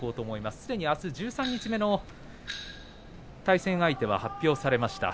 すでに、あす十三日目の対戦相手は発表されました。